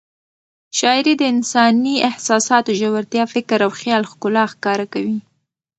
شاعري د انساني احساساتو ژورتیا، فکر او خیال ښکلا ښکاره کوي.